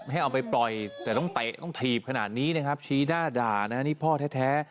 ให้เอาไปปล่อยแต่ต้องเตะต้องถีบขนาดนี้นะครับชี้หน้าด่านะนี่พ่อแท้